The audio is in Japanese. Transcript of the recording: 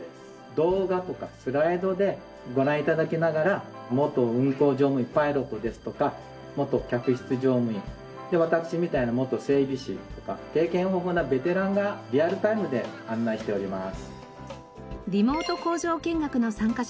動画とかスライドでご覧頂きながら元運航乗務員パイロットですとか元客室乗務員で私みたいな元整備士とか経験豊富なベテランがリアルタイムで案内しております。